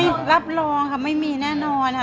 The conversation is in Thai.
รับรองค่ะไม่มีแน่นอนค่ะ